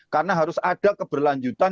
karena harus ada keberlanjutan